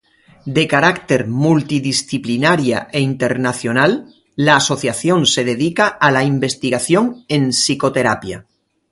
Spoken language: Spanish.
De carácter multidisciplinaria e internacional, la asociación se dedica a la investigación en psicoterapia.